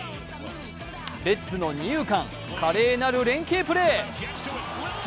レッズの二遊間、華麗なる連係プレー。